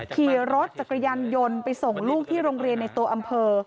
ขี่รถจักรยานยนต์ไปส่งลูกที่โรงเรียนในตัวอำเภอ